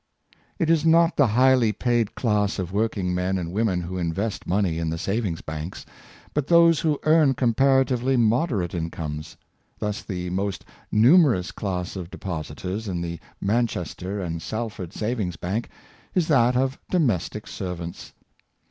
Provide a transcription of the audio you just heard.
It is not the highly paid class of working men and women who invest money in the savings banks, but those who earn comparatively moderate incomes. Thus the most numerous class of depositors in the Manches ter and Salford Savings bank is that of domestic serv ants.